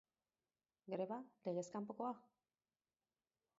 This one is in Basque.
Greba, legez kanpokoa?